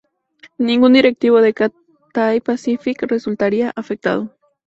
Ningún directivo de Cathay Pacific resultaría afectado.